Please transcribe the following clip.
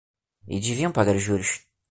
E deviam pagar os juros.